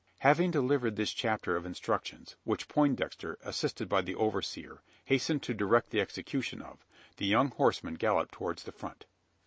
Having delivered this chapter of instructions which Poindexter, assisted by the overseer, hastened to direct the execution of the young horseman galloped towards the front.